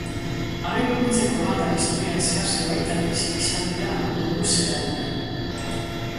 Arrikurutzeko landak historian zehar zenbait aldiz izan dira gudu-zelaiak.